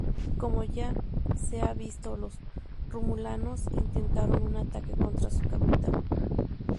Como ya se ha visto, los Romulanos intentaron un ataque contra su capital.